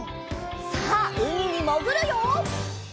さあうみにもぐるよ！